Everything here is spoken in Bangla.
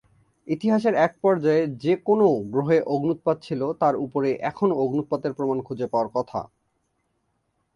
ইতিহাসের এক পর্যায়ে যে কোনও গ্রহে অগ্ন্যুৎপাত ছিল তার উপরে এখনও অগ্ন্যুৎপাতের প্রমাণ খুঁজে পাওয়ার কথা।